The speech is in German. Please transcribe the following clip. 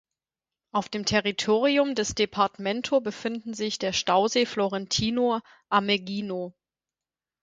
Auf dem Territorium des Departamento befindet sich der Stausee Florentino Ameghino.